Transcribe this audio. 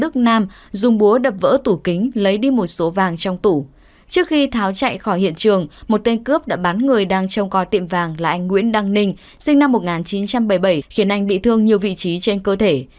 trước khi tháo chạy khỏi hiện trường một tên cướp đã bán người đang trông coi tiệm vàng là anh nguyễn đăng ninh sinh năm một nghìn chín trăm bảy mươi bảy khiến anh bị thương nhiều vị trí trên cơ thể